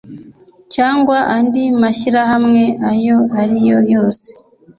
cyangwa andi mashyirahamwe ayo ariyo yose